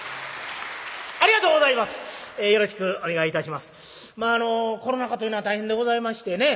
まああのコロナ禍というのは大変でございましてね